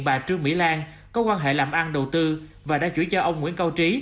bà trương mỹ lan có quan hệ làm ăn đầu tư và đã chủi cho ông nguyễn cao trí